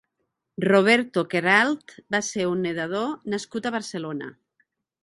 Roberto Queralt va ser un nedador nascut a Barcelona.